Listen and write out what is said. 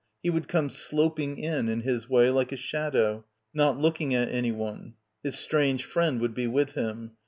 He would come "sloping in" in his way, like a shadow, not looking at anyone. His strange friend would be with him.